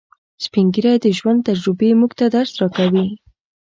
سپین ږیری د ژوند تجربې موږ ته درس راکوي